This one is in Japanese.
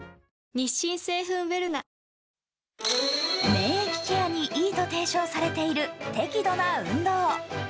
免疫ケアにいいと提唱されている適度な運動。